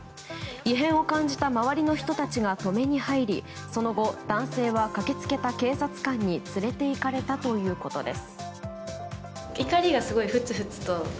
異変を感じた周りの人たちが止めに入りその後、男性は駆け付けた警察官に連れていかれたということです。